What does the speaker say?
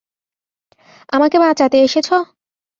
আমাকে বাঁচাতে এসেছ?